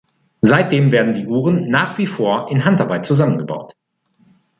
Seitdem werden die Uhren nach wie vor in Handarbeit zusammengebaut.